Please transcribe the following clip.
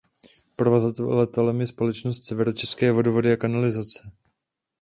Provozovatelem je společnost Severočeské vodovody a kanalizace.